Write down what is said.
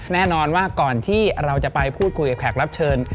แน่นอนว่าก่อนที่เราจะไปพูดคุยกับแขกรับเชิญ